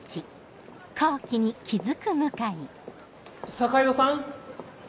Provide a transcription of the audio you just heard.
坂井戸さん！